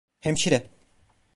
Hemşire!